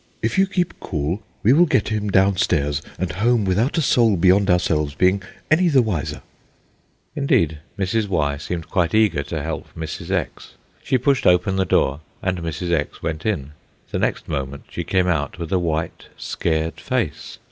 If you keep cool, we will get him downstairs and home without a soul beyond ourselves being any the wiser. Indeed, Mrs. Y. seemed quite eager to help Mrs. X. She pushed open the door, and Mrs. X, went in. The next moment she came out with a white, scared face.